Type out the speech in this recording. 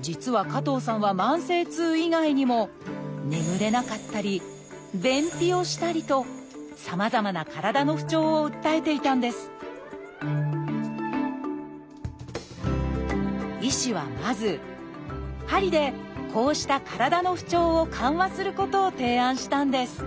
実は加藤さんは慢性痛以外にも眠れなかったり便秘をしたりとさまざまな体の不調を訴えていたんです医師はまず鍼でこうした体の不調を緩和することを提案したんです